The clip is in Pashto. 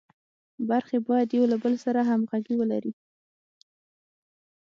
برخې باید یو له بل سره همغږي ولري.